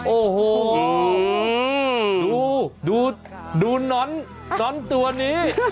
โอ้โหดูน้อนตัวนี้